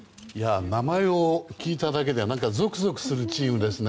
名前を聞いただけでゾクゾクするチームですね。